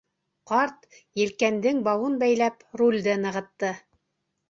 Ҡарт, елкәндең бауын бәйләп, рулде нығытты.